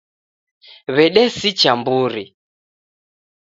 W'edesicha mburi.